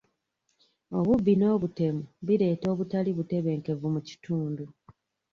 Obubbi n'obutemu bireeta obutali butebenkevu mu kitundu.